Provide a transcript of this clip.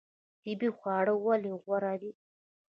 طبیعي خواړه ولې غوره دي؟